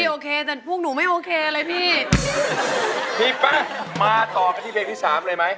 โอเคแต่พวกหนูไม่โอเคเลยพี่พี่ป่ะมาต่อกันที่เพลงที่สามเลยไหม